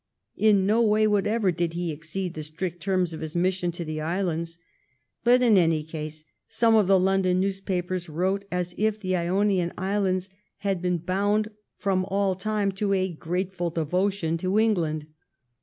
In no way whatever did he exceed the strict terms of his mission to the islands, but in any case some of the London newspapers wrote as if the Ionian Islands had been bound from all time to a grateful devotion to England.